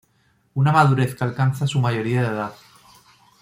Una madurez que alcanza su mayoría de edad.